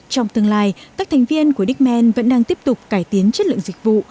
trong tương lai các thành viên của diemen vẫn đang tiếp tục cải tiến chất lượng dịch vụ